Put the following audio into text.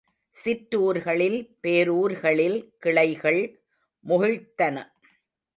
சிற்றூர்களில், பேரூர்களில் கிளைகள் முகிழ்த்தன.